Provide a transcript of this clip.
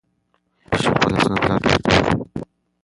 ماشوم خپل لاسونه پلار ته وښودل.